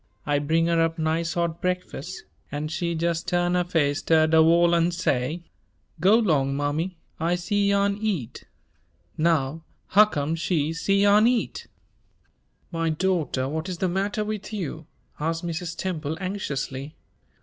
I bring her up nice hot breakfus', an' she jes' tu'n her face ter de wall an' say, 'Go 'long, mammy, I c'yarn eat.' Now, huccome she c'yarn eat?" "My daughter, what is the matter with you?" asked Mrs. Temple, anxiously.